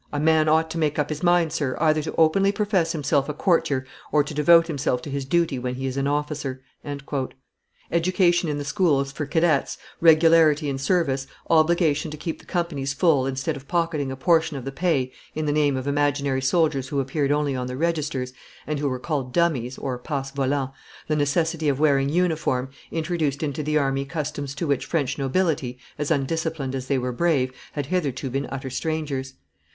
A man ought to make up his mind, sir, either to openly profess himself a courtier or to devote himself to his duty when he is an officer." Education in the schools for cadets, regularity in service, obligation to keep the companies full instead of pocketing a portion of the pay in the name of imaginary soldiers who appeared only on the registers, and who were called dummies (passe volants), the necessity of wearing uniform, introduced into the army customs to which the French nobility, as undisciplined as they were brave, had hitherto been utter strangers.